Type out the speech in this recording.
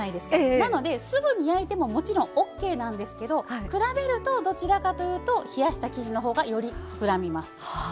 なので、すぐに焼いてももちろんオーケーなんですけど比べると、どちらかというと冷やした生地のほうがより膨らみます。